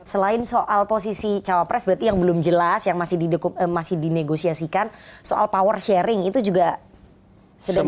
selain soal posisi cawapres berarti yang belum jelas yang masih dinegosiasikan soal power sharing itu juga sudah menjadi